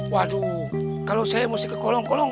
waduh kalau saya mesti ke kolong kolong